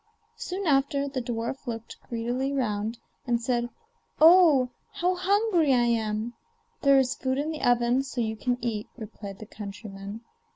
Soon after the dwarf looked greedily round, and said: 'Oh! how hungry I am!' 'There is food in the oven, so you can eat,' replied the countryman.